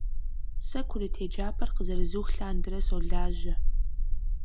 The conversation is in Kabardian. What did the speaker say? Сэ курыт еджапӀэр къызэрызух лъандэрэ солажьэ.